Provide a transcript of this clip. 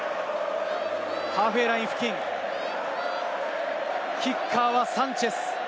ハーフウェイライン付近、キッカーはサンチェス。